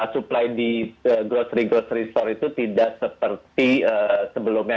supply di grocery grocery store itu tidak seperti sebelumnya